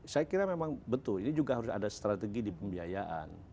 saya kira memang betul ini juga harus ada strategi di pembiayaan